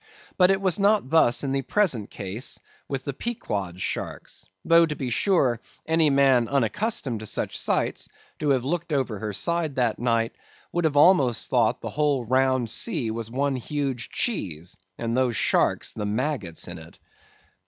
But it was not thus in the present case with the Pequod's sharks; though, to be sure, any man unaccustomed to such sights, to have looked over her side that night, would have almost thought the whole round sea was one huge cheese, and those sharks the maggots in it.